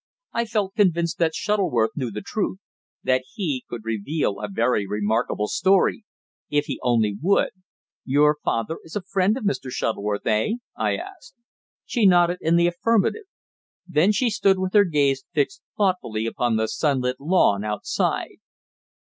I felt convinced that Shuttleworth knew the truth that he could reveal a very remarkable story if he only would. "Your father is a friend of Mr. Shuttleworth eh?" I asked. She nodded in the affirmative. Then she stood with her gaze fixed thoughtfully upon the sunlit lawn outside.